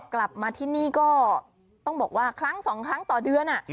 กลับมาที่นี่ก็ต้องบอกว่าครั้งสองครั้งต่อเดือน